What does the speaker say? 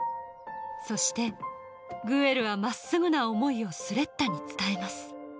そしてグエルはまっすぐな思いをスレッタに伝えます